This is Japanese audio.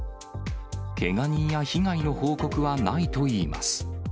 けが人や被害の報告はないといいます。